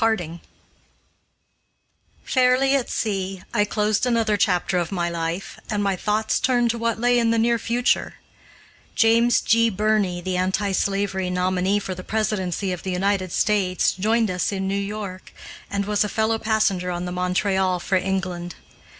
Stanton] [Illustration: MRS. STANTON AND DAUGHTER, 1857.] Fairly at sea, I closed another chapter of my life, and my thoughts turned to what lay in the near future. James G. Birney, the anti slavery nominee for the presidency of the United States, joined us in New York, and was a fellow passenger on the Montreal for England.